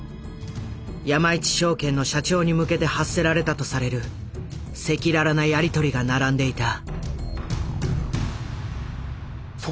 山一証券の社長に向けて発せられたとされる赤裸々なやり取りが並んでいた。